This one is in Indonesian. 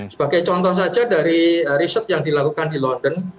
sebagai contoh saja dari riset yang dilakukan di london